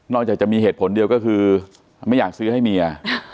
จากจะมีเหตุผลเดียวก็คือไม่อยากซื้อให้เมีย